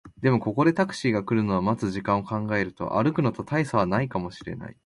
でも、ここでタクシーが来るのを待つ時間を考えると、歩くのと大差はないかもしれない